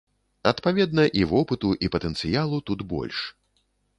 Адпаведна, і вопыту, і патэнцыялу тут больш.